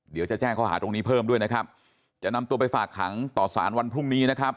เดี๋ยวจะแจ้งข้อหาตรงนี้เพิ่มด้วยนะครับจะนำตัวไปฝากขังต่อสารวันพรุ่งนี้นะครับ